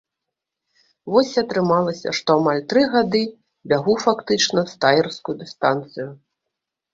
Вось і атрымалася, што амаль тры гады бягу фактычна стаерскую дыстанцыю.